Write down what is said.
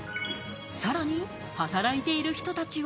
さらに働いている人たちは。